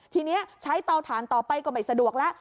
ทีนี้ใช้เตาถ่านต่อไปก็ไม่สะดวกแล้ว